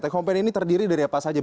take home ini terdiri dari apa saja